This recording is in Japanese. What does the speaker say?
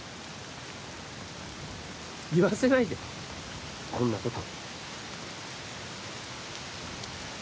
言わせないで、こんなこと。